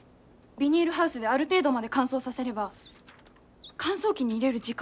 ビニールハウスである程度まで乾燥させれば乾燥機に入れる時間は減らせます。